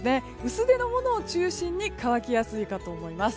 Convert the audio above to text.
薄手のものを中心に乾きやすいかと思います。